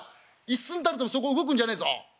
一寸たりともそこ動くんじゃねえぞ。